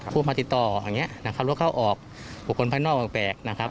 ผู้มาติดต่ออย่างนี้นะครับรถเข้าออกบุคคลภายนอกแปลกนะครับ